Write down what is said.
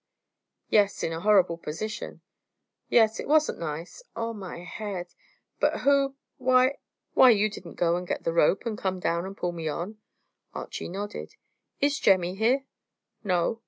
"Yes. In a horrible position." "Yes, it wasn't nice. Oh, my head! But who Why, you didn't go and get the rope and come down and pull me on?" Archy nodded. "Is Jemmy here?" "No."